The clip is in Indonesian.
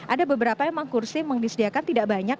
ada beberapa memang kursi yang disediakan tidak banyak